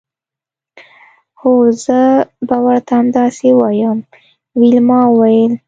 هو زه به ورته همداسې ووایم ویلما وویل